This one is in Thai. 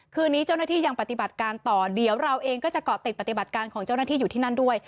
คืนนี้เจ้าหน้าที่ยังปฏิบัติการต่อเดี๋ยวเราเองก็จะเกาะติดปฏิบัติการของเจ้าหน้าที่อยู่ที่นั่นด้วย